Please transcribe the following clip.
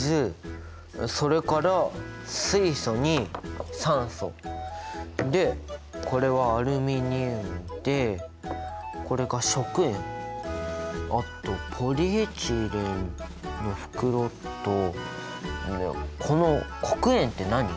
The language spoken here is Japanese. それから水素に酸素でこれはアルミニウムでこれが食塩あとポリエチレンの袋とこの黒鉛って何？